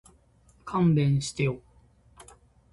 勘弁してよ